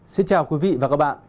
xin chào quý vị và các bạn